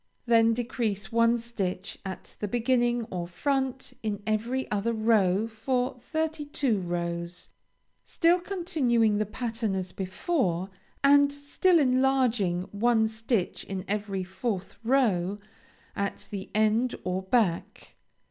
Then decrease one stitch at the beginning or front in every other row for thirty two rows, still continuing the pattern as before, and still enlarging one stitch in every fourth row, at the end or back.